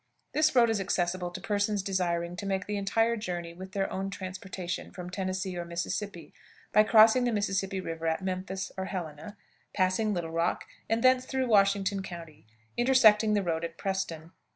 This road is accessible to persons desiring to make the entire journey with their own transportation from Tennessee or Mississippi, by crossing the Mississippi River at Memphis or Helena, passing Little Rock, and thence through Washington County, intersecting the road at Preston.